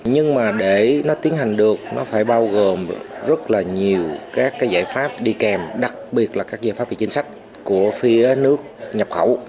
nhưng mà để nó tiến hành được nó phải bao gồm rất là nhiều các cái giải pháp đi kèm đặc biệt là các giải pháp về chính sách của phía nước nhập khẩu